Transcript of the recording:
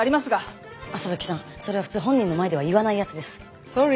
麻吹さんそれは普通本人の前では言わないやつです。